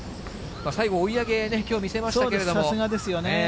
最後、追い上げね、きょう見せましたけれども。